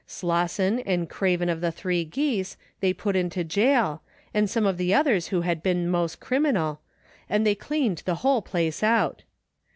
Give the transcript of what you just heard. Slosson, and Craven of The Three Geese, they put into jail, and some of the others who had been most criminal, and they cleaned the whole place out.